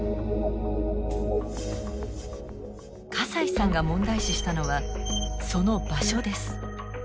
笠井さんが問題視したのはその場所です。